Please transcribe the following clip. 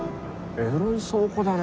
エロい倉庫だな。